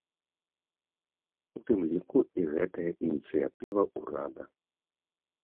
У тым ліку і гэтая ініцыятыва ўрада.